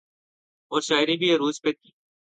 اورشاعری بھی عروج پہ تھی۔